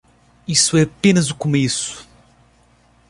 Isso é apenas o começo.